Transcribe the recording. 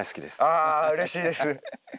あうれしいです。